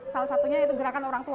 salah satunya yaitu gerakan orangtua